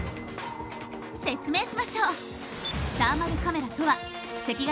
説明しましょう。